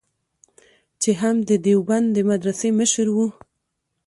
چې هم د دیوبند د مدرسې مشر و.